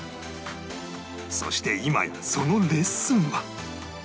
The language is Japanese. そして今やそのレッスンは